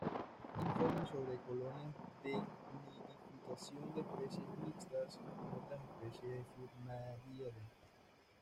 Hay informes sobre colonias de nidificación de especies mixtas con otras especies de Furnariidae.